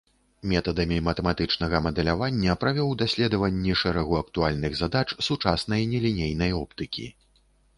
Метадамі матэматычнага мадэлявання правёў даследаванні шэрагу актуальных задач сучаснай нелінейнай оптыкі.